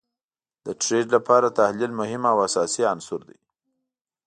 د ټریډ لپاره تحلیل مهم او اساسی عنصر دي